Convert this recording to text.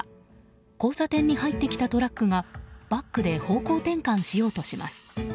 交差点に入ってきたトラックがバックで方向転換しようとします。